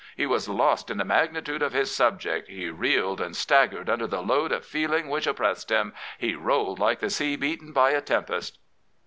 He was lost in the magnitude of his subject. He reeled and staggered under the load of feeling which oppressed him. He rolled like the sea beaten by a tempest.